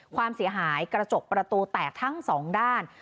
ความเสียหายกระจกประตูแตกทั้งสองด้าน